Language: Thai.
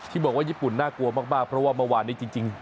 บอกว่าญี่ปุ่นน่ากลัวมากเพราะว่าเมื่อวานนี้จริง